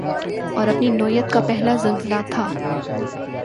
اور اپنی نوعیت کا پہلا زلزلہ تھا